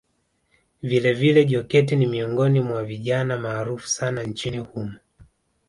Vilevile Joketi ni miongoni mwa vijana maarufu sana nchini humo